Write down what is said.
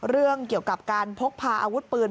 เรื่องเกี่ยวกับการพกพาอาวุธปืน